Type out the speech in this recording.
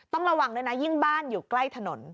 ต้องระวังด้วยนะยิ่งบ้านอยู่ใกล้ถนน